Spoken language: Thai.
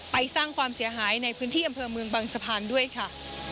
สร้างความเสียหายในพื้นที่อำเภอเมืองบางสะพานด้วยค่ะ